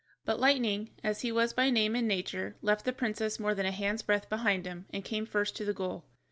But Lightning (as he was by name and nature) left the princess more than a hand's breadth behind him, and came first to the goal.